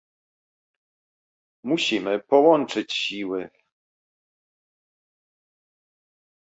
Musimy połączyć siły